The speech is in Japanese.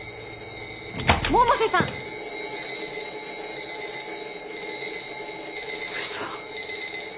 百瀬さん嘘！？